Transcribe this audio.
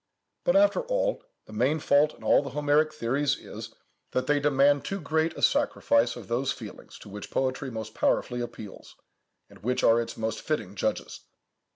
But, after all, the main fault in all the Homeric theories is, that they demand too great a sacrifice of those feelings to which poetry most powerfully appeals, and which are its most fitting judges.